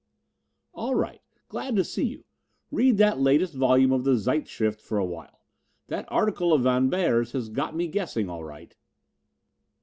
"All right, glad to see you. Read that latest volume of the Zeitschrift for a while. That article of Von Beyer's has got me guessing, all right."